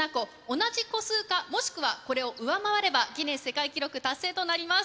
同じ個数か、もしくはこれを上回れば、ギネス世界記録達成となります。